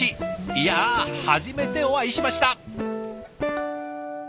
いや初めてお会いしました。